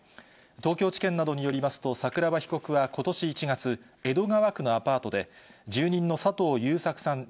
東京地検などによりますと、桜庭被告はことし１月、江戸川区のアパートで、住人の佐藤優作さん